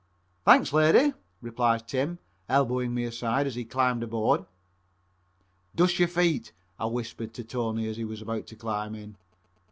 "Thanks, lady," replies Tim, elbowing me aside as he climbed aboard. "Dust your feet," I whispered to Tony as he was about to climb in.